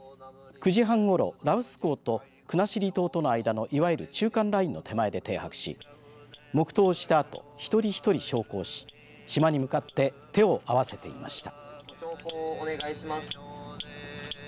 ９時半ごろ、羅臼港と国後島との間の、いわゆる中間ラインの手前で停泊し黙とうをしたあと一人一人焼香し島に向かって手を合わせていました。